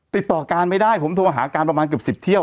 ติดต่อการไม่ได้ผมโทรหาการประมาณเกือบ๑๐เที่ยว